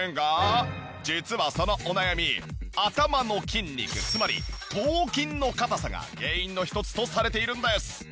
実はそのお悩み頭の筋肉つまり頭筋の硬さが原因の一つとされているんです。